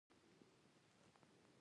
هلته مو په یوه خیمه کې واړول.